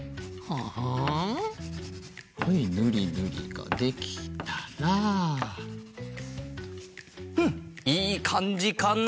はいぬりぬりができたらうんいいかんじかな。